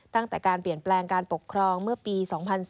ตั้งแต่การเปลี่ยนแปลงการปกครองเมื่อปี๒๔